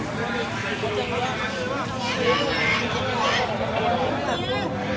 การประตูกรมทหารที่สิบเอ็ดเป็นภาพสดขนาดนี้นะครับ